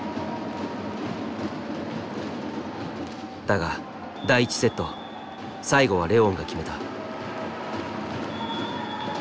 だが第１セット最後はレオンが決めた。